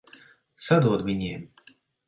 Sadod viņiem!